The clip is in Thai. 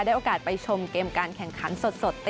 ได้โอกาสไปชมเกมการแข่งขันฟุตบอลภิมิติอังกฤษ